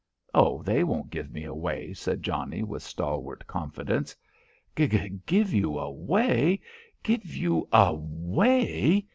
"Oh, they won't give me away," said Johnnie with stalwart confidence. "Gi give you away? Give you a way?"